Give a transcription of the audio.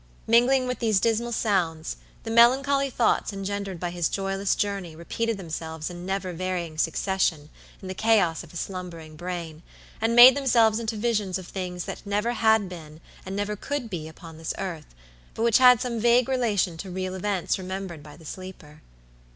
Mingling with these dismal sounds, the melancholy thoughts engendered by his joyless journey repeated themselves in never varying succession in the chaos of his slumbering brain, and made themselves into visions of things that never had been and never could be upon this earth, but which had some vague relation to real events remembered by the sleeper.